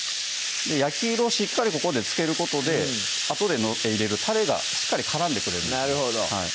焼き色をしっかりここでつけることであとで入れるたれがしっかり絡んでくれるんですね